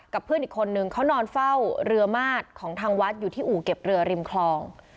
เพื่อนอีกคนนึงเขานอนเฝ้าเรือมาดของทางวัดอยู่ที่อู่เก็บเรือริมคลอง